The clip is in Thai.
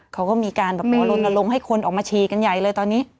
เขาก็มีการแบบว่าลนลงให้คนออกมาฉี่กันใหญ่เลยตอนนี้